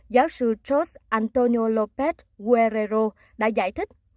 giáo sư george antonio lopez guerrero đã giải thích